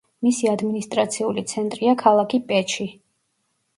მისი ადმინისტრაციული ცენტრია ქალაქი პეჩი.